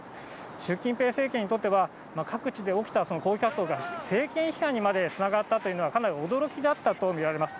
習近平政権にとっては、各地で起きた抗議活動が、政権批判にまでつながったというのは、かなり驚きだったと見られます。